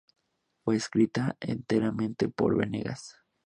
Fue escrita enteramente por Venegas.